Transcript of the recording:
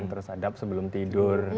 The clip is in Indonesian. terus adab sebelum tidur